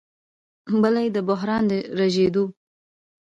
بله یې د بحران د ژورېدو